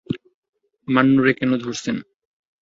মান্নুরে কেন ধরছেন?